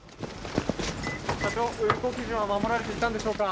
社長、運航基準は守られていたんでしょうか。